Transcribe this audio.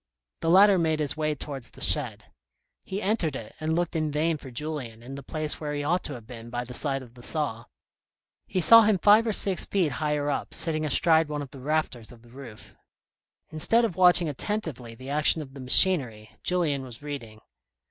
The latter made his way towards the shed. He entered it and looked in vain for Julien in the place where he A FATHER AND A SON 17 ought to have been by the side of the saw. He saw him five or six feet higher up, sitting astride one of the rafters of the roof. Instead of watching attentively the action of the machinery, Julien was reading.